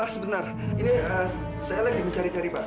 sebenar ini saya lagi mencari cari pak